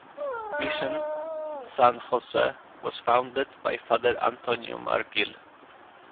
Mission San Jose was founded by Father Antonio Margil.